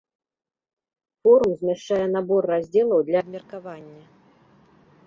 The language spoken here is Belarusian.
Форум змяшчае набор раздзелаў для абмеркавання.